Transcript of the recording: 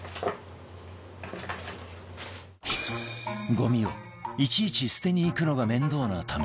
ゴミをいちいち捨てに行くのが面倒なため